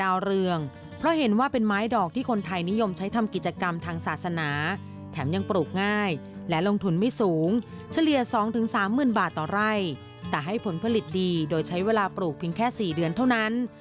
เฉลี่ย๒ถึง๓หมื่นบาทต่อไร่แต่ให้ผลผลิตดีโดยใช้เวลาปลูกเพียงแค่๔เดือนเท่านั้น